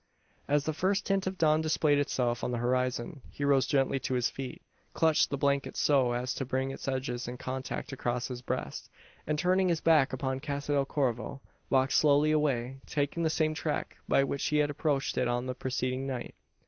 As the first tint of dawn displayed itself on the horizon, he rose gently to his feet; clutched the blanket so as to bring its edges in contact across his breast; and, turning his back upon Casa del Corvo, walked slowly away taking the same track by which he had approached it on the preceding night.